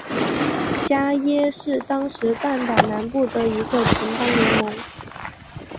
伽倻是当时半岛南部的一个城邦联盟。